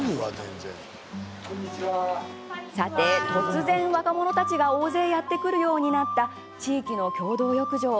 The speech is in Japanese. さて、突然、若者たちが大勢やって来るようになった地域の共同浴場。